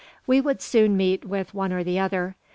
We would soon meet with one or the other.